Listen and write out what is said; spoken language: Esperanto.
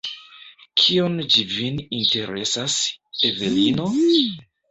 Kion ĝi vin interesas, Evelino?